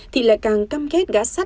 thì lại càng căm kết gã sắt